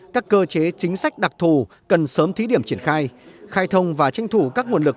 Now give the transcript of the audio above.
các cơ chế chính sách đặc thù cần sớm thí điểm triển khai khai thông và tranh thủ các nguồn lực